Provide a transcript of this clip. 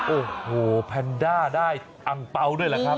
โอ้โหแพนด้าได้อังเปล่าด้วยแหละครับ